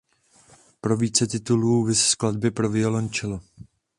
Pro více titulů viz skladby pro violoncello.